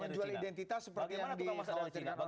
jadi tidak menjual identitas seperti yang di kawasan terdiri orang